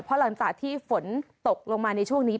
เพราะหลังจากที่ฝนตกลงมาในช่วงนี้